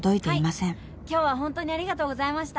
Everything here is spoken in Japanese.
今日はホントにありがとうございました。